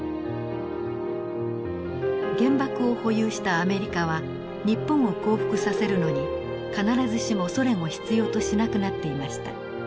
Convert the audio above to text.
原爆を保有したアメリカは日本を降伏させるのに必ずしもソ連を必要としなくなっていました。